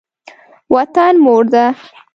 وطن مور ده.